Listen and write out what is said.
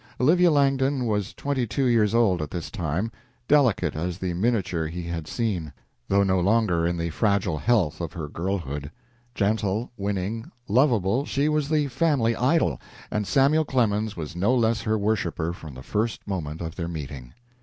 Olivia Langdon was twenty two years old at this time, delicate as the miniature he had seen, though no longer in the fragile health of her girlhood. Gentle, winning, lovable, she was the family idol, and Samuel Clemens was no less her worshiper from the first moment of their meeting.